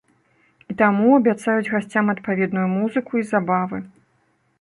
І таму абяцаюць гасцям адпаведную музыку і забавы.